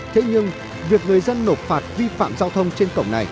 thế nhưng việc người dân nộp phạt vi phạm giao thông trên cổng này